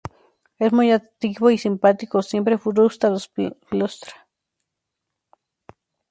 Es muy activo y simpático, siempre frustra los planes de Yamazaki.